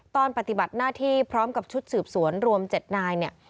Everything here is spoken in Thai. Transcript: ปฏิบัติหน้าที่พร้อมกับชุดสืบสวนรวม๗นายเนี่ย